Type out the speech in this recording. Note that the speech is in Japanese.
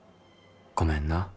ごめんな」。